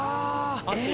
ああ。